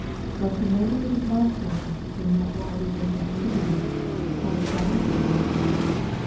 " God com mendeth His love toward us in that while we were yet sinners, Christ died for us."